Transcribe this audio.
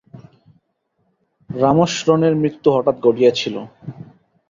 রামশরণের মৃত্যু হঠাৎ ঘটিয়াছিল।